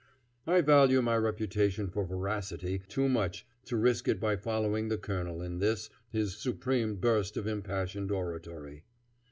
I value my reputation for veracity too much to risk it by following the colonel in this, his supreme burst of impassioned oratory.